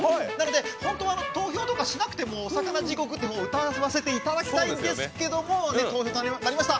本当は投票とかしなくても「おさかな地獄」歌わせていただきたいんですけどもこういうことになりました。